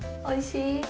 おいしい？